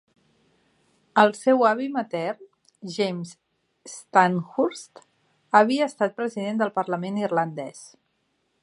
El seu avi matern, James Stanihurst, havia estat president del Parlament irlandès.